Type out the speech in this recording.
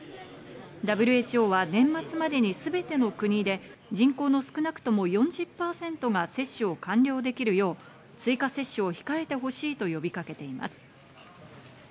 ＷＨＯは年末までにすべての国で人口の少なくとも４０％が接種を完了できるよう追加接種を控えてほしいと呼びかけています。